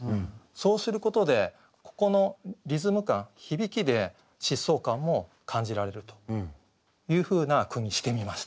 そうすることでここのリズム感響きで疾走感も感じられるというふうな句にしてみました。